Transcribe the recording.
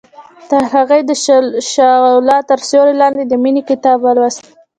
هغې د شعله تر سیوري لاندې د مینې کتاب ولوست.